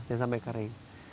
jangan sampai kering